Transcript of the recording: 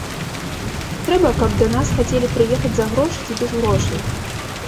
Трэба, каб да нас хацелі прыехаць за грошы ці без грошай.